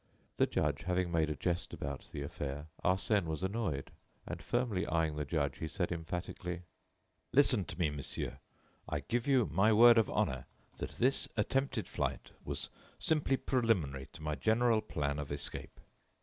The judge having made a jest about the affair, Arsène was annoyed, and, firmly eyeing the judge, he said, emphatically: "Listen to me, monsieur! I give you my word of honor that this attempted flight was simply preliminary to my general plan of escape."